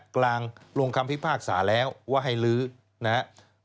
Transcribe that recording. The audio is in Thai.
กลางลงคำพิพากษาแล้วว่าให้ลื้อนะครับ